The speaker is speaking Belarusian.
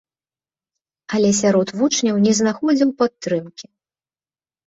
Але сярод вучняў не знаходзіў падтрымкі.